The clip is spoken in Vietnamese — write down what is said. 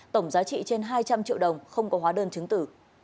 tổng giá trị trên hai trăm linh triệu đồng không có hóa đơn chứng tử